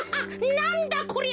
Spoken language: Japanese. なんだこりゃ。